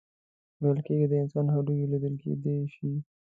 ویل کیږي د انسان هډوکي لیدل کیدی شي.